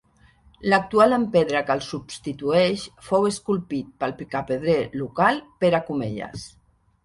L'actual en pedra que el substitueix fou esculpit pel picapedrer local Pere Comelles.